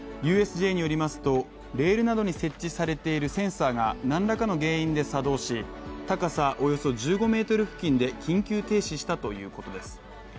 ＵＳＪによりますとレールなどに設置されているセンサーが、何らかの原因で作動し、高さおよそ１５ｍ付近で緊急停止したということです。